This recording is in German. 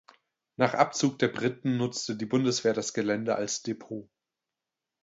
Nach Abzug der Briten nutzte die Bundeswehr das Gelände als Depot.